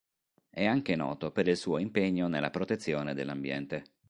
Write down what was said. È anche noto per il suo impegno nella protezione dell'ambiente.